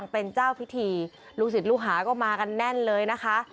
เป็นเจ้าพิธีลูกศิษย์ลูกหาก็มากันแน่นเลยนะคะ